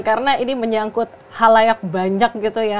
karena ini menyangkut hal layak banyak